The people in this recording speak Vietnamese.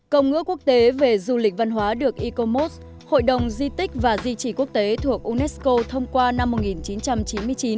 công ước quốc tế về du lịch văn hóa được icommos hội đồng di tích và di trì quốc tế thuộc unesco thông qua năm một nghìn chín trăm chín mươi chín